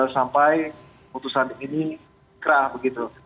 sampai putusan ini kerah begitu